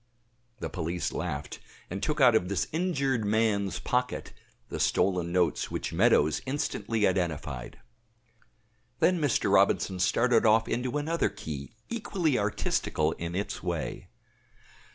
The police laughed, and took out of this injured man's pocket the stolen notes which Meadows instantly identified. Then Mr. Robinson started off into another key equally artistical in its way.